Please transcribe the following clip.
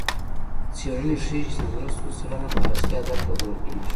څېړنې ښيي چې د مرستو سلنه په اصلي هدف لګول کېږي.